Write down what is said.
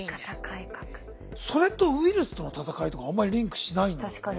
それとウイルスとの闘いとがあんまりリンクしないんですよね。